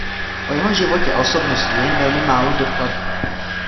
O jeho životě a osobnosti je jen velmi málo dokladů.